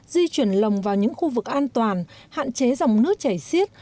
di chuyển lồng vào những khu vực an toàn hạn chế dòng nước chảy xiết